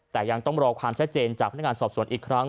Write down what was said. แต่ยังต้องรอความชัดเจนจากพนักงานสอบสวนอีกครั้ง